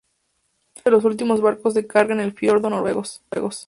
Uno de los últimos barcos de carga en el fiordos Noruegos.